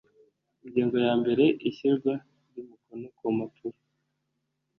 Ingingo yambere Ishyirwa ry umukono ku mpapuro